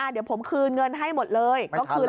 เดี๋ยวผมคืนเงินให้หมดเลย